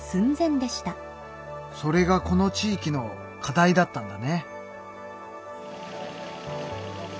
それがこの地域の課題だったんだね。